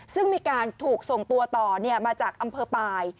ซึ่งมีการถูกส่งตัวต่อมาจากอำเภอปลาย